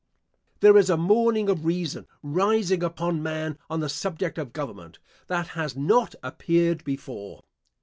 There is a morning of reason rising upon man on the subject of government, that has not appeared before.